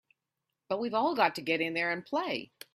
But we've all got to get in there and play!